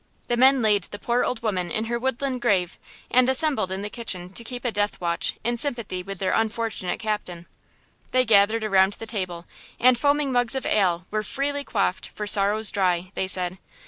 The men laid the poor old woman in her woodland grave, and assembled in the kitchen to keep a death watch in sympathy with their "unfortunate" captain. They gathered around the table, and, foaming mugs of ale were freely quaffed for "sorrow's dry," they said.